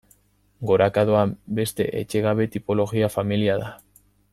Goraka doan beste etxegabe tipologia familia da.